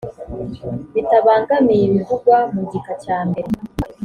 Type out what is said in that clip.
bitabangamiye ibivugwa mu gika cya mbere